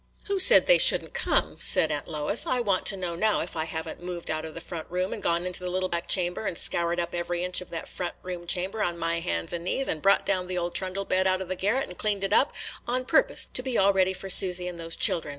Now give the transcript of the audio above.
"Who said they should n't come?" said Aunt Lois. "I want to know now if I have n't moved out of the front room and gone into the little back chamber, and scoured up every inch of that front room chamber on my hands and knees, and brought down the old trundle bed out of the garret and cleaned it up, on purpose to be all ready for Susy and those children.